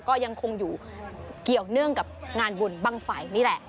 ก็ยังคงอยู่เกี่ยวเนื่องกับงานบุญบ้างไฟนี่แหละ